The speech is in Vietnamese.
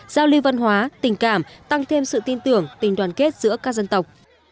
giao lưu văn hóa tình cảm tăng thêm sự tin tưởng tình đoàn kết giữa các dân tộc